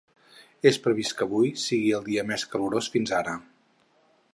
És previst que avui sigui el dia més calorós fins ara.